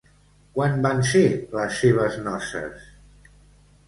Quan van ser les seves noces?